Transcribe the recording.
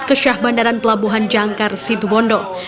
ke syahadar pelabuhan jangkar situ bondok